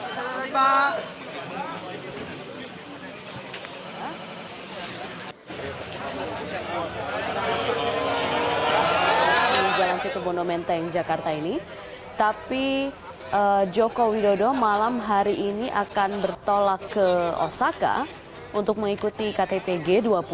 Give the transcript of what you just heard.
jalan situ bondo menteng jakarta ini tapi joko widodo malam hari ini akan bertolak ke osaka untuk mengikuti kttg dua puluh